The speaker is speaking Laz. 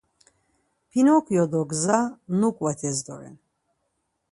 Pinokyo do gza nuǩvates doren.